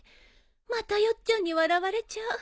またヨッちゃんに笑われちゃう。